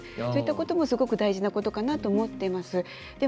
そういったこともすごく大事なことかなと思っています。